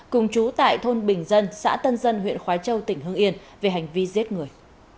cùng chú tại thôn bình dân xã tân dân huyện khói châu tỉnh hương yên về hành vi giết người